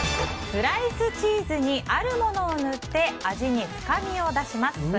スライスチーズにあるものを塗って味に深みを出します。